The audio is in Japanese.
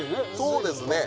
そうですね